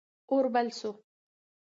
اور بل سو.